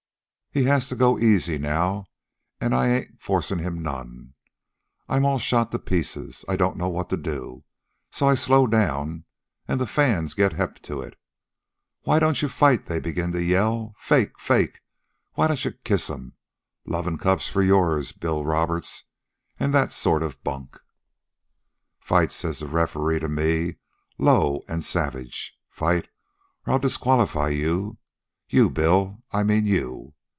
"He has to go easy, now, an' I ain't a forcin' him none. I'm all shot to pieces. I don't know what to do. So I slow down, an' the fans get hep to it. 'Why don't you fight?' they begin to yell; 'Fake! Fake!' 'Why don't you kiss'm?' 'Lovin' cup for yours, Bill Roberts!' an' that sort of bunk. "'Fight!' says the referee to me, low an' savage. 'Fight, or I'll disqualify you you, Bill, I mean you.'